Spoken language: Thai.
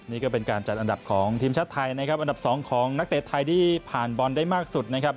นี่ก็เป็นการจัดอันดับของทีมชาติไทยนะครับอันดับสองของนักเตะไทยที่ผ่านบอลได้มากสุดนะครับ